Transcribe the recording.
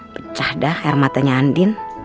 pecah dah hermatanya andin